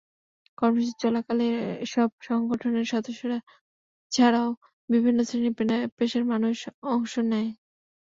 কর্মসূচি চলাকালে এসব সংগঠনের সদস্যরা ছাড়াও বিভিন্ন শ্রেণি-পেশার মানুষ অংশ নেন।